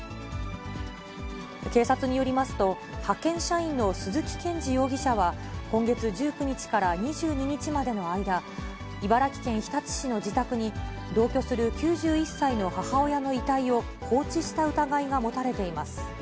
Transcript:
警察によりますと、派遣社員の鈴木健二容疑者は、今月１９日から２２日までの間、茨城県日立市の自宅に、同居する９１歳の母親の遺体を放置した疑いが持たれています。